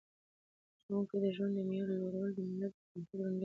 د ښوونکو د ژوند د معیار لوړول د معارف د پرمختګ لومړنی ګام دی.